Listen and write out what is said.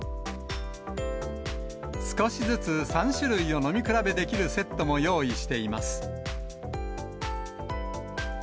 少しずつ３種類を飲み比べできるセットも用意しています。